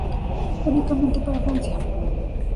Únicamente para Francia.